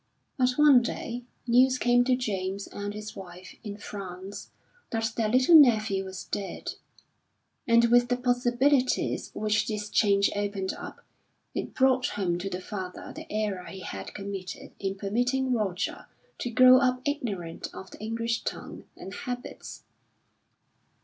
But, one day, news came to James and his wife, in France, that their little nephew was dead; and with the possibilities which this change opened up, it brought home to the father the error he had committed in permitting Roger to grow up ignorant of the English tongue and habits.